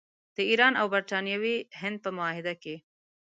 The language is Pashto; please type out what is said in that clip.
د ایران او برټانوي هند په معاهده کې.